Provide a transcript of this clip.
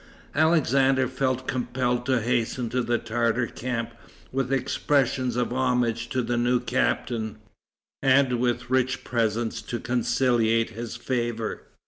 Alexander felt compelled to hasten to the Tartar camp, with expressions of homage to the new captain, and with rich presents to conciliate his favor.